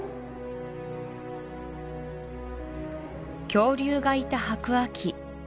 恐竜がいた白亜紀